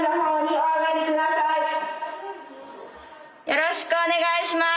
よろしくお願いします。